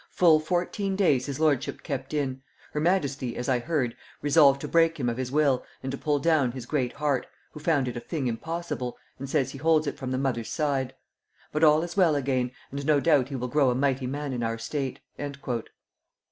Full fourteen days his lordship kept in; her majesty, as I heard, resolved to break him of his will and to pull down his great heart, who found it a thing impossible, and says he holds it from the mother's side; but all is well again, and no doubt he will grow a mighty man in our state."